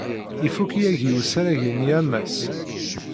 Ifuk yagi usarag-nni a Mass.